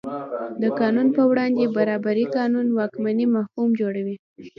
د قانون په وړاندې برابري قانون واکمنۍ مفهوم جوړوي.